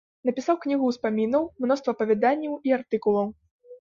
Напісаў кнігу ўспамінаў, мноства апавяданняў і артыкулаў.